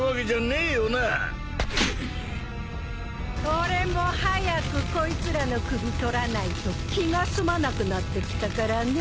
俺も早くこいつらの首とらないと気が済まなくなってきたからね。